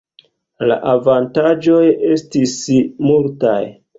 Avantaĝoj estis multaj.